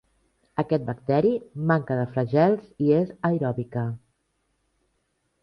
Aquest bacteri manca de flagels i és aeròbica.